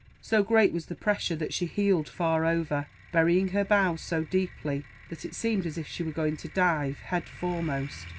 So great was the pressure that she heeled far over, burying her bows so deeply that it seemed as if she were going to dive, head foremost.